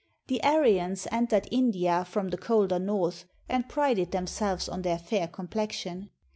The An ans entered India from the colder north, and prided them selves on their fair complexion.